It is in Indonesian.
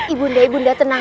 ibu nda ibu nda tenang